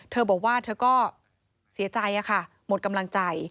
เธอบอกว่าเธอก็เสียใจค่ะหมดกำลังใจ